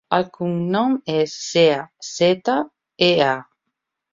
El cognom és Zea: zeta, e, a.